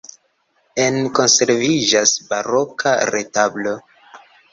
Ene konserviĝas baroka retablo.